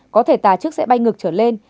có thể tà trước sẽ bay ngược trở lên